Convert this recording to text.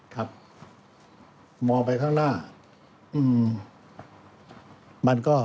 ครับมองไปข้างหน้ามันก็